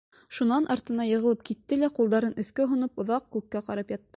Шунан артына йығылып китте лә, ҡулдарын өҫкә һоноп оҙаҡ күккә ҡарап ятты.